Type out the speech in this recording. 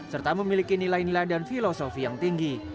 serta memiliki nilai nilai dan filosofi yang tinggi